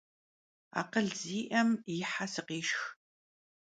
Akhıl zi'em yi he sıkhişşx.